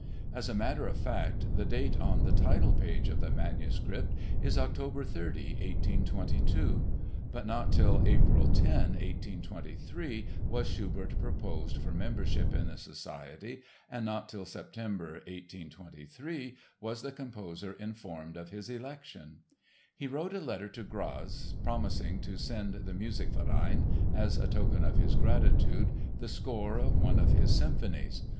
As a matter of fact, the date on the title page of the manuscript is October 30, 1822. But not till April 10, 1823, was Schubert proposed for membership in the society and not till September, 1823, was the composer informed of his election. He wrote a letter to Graz promising to send the Musikverein, as a token of his gratitude, the score of one of his symphonies.